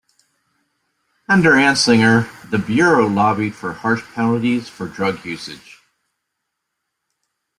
Under Anslinger, the bureau lobbied for harsh penalties for drug usage.